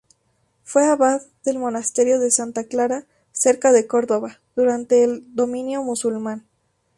Fue abad del Monasterio de Santa Clara, cerca de Córdoba, durante el dominio musulmán.